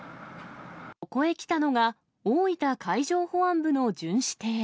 そこへ来たのが、大分海上保安部の巡視艇。